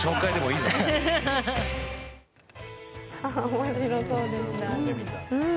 面白そうでした。